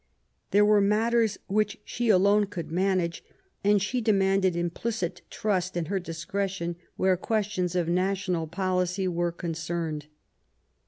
There were matters which she alone could manage, and she demanded implicit trust in her discretion where questions of national policy were concerned.